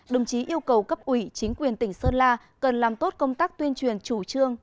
đồng chí yêu cầu cấp ủy chính quyền tỉnh sơn la cần làm tốt công tác tuyên truyền chủ trương